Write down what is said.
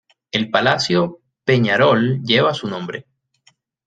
El Palacio Peñarol lleva su nombre.